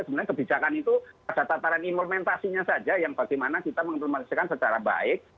sebenarnya kebijakan itu pada tataran implementasinya saja yang bagaimana kita mengimplementasikan secara baik